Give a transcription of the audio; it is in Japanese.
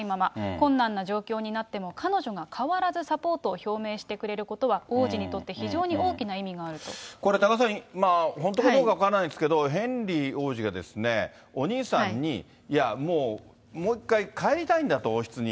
困難な状況になっても、彼女が変わらずサポートを表明してくれることは王子にとって非常に大きなこれ、多賀さん、本当かどうか分からないですけど、ヘンリー王子が、お兄さんに、いや、もう、もう一回帰りたいんだと、王室に。